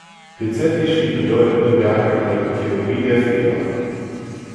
Pizzetti schrieb bedeutende Werke über die Theorie der Fehler.